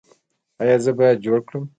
ایا زه باید جوړ کړم؟